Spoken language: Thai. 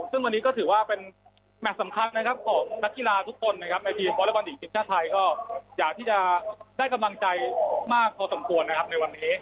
ซึ่งวันนี้ก็ถือว่าเป็นแมทสำคัญนะครับของนักกีฬาทุกคนนะครับในทีมวอเล็กบอลหญิงทีมชาติไทยก็อยากที่จะได้กำลังใจมากพอสมควรนะครับในวันนี้